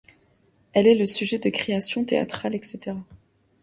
Elle est le sujet de créations théâtrales etc.